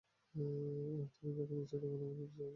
আর তুমি যখন ইচ্ছা, তখনই আমার পিঠে চড়তে পারবে।